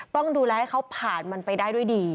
ต้องดูแลให้เขาผ่านมันไปได้ด้วยดี